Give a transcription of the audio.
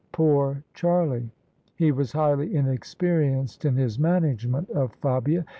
Poor Charlie! He was highly inexperienced in his management of Fabia.